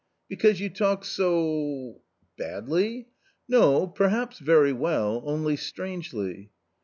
" Because you talk so. ..."" Badly ?"" No — perhaps very well, only strangely."